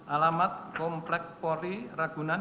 alamat komplek poli ragunan